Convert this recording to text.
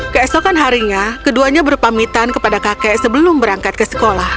keesokan harinya keduanya berpamitan kepada kakek sebelum berangkat ke sekolah